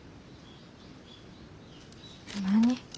何？